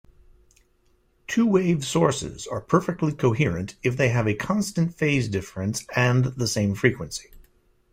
Two-wave sources are perfectly coherent if they have a constant phase difference and the same frequency.